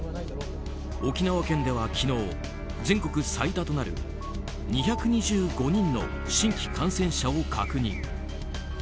沖縄県では昨日、全国最多となる２２５人の新規感染者を確認。